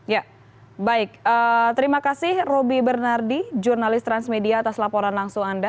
ya baik terima kasih roby bernardi jurnalis transmedia atas laporan langsung anda